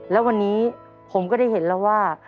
แล้ววันนี้ผมก็ได้เห็นแล้วว่า